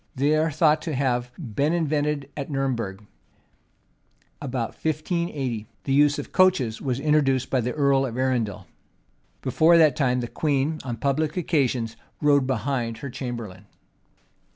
They are thought to have been invented at Nurem berg. About 1580, the use of coaches was introduced by the earl of Arundel.[] Before that time, the queen, on public occasions, rode behind her chamberlain.